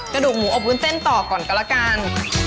กระดูกหมูอบวุ้นเส้นต่อก่อนก็แล้วกัน